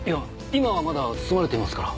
今はまだ包まれていますから。